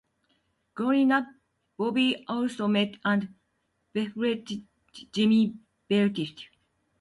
Growing up, Bobby also met and befriended Jimmy Berlutti.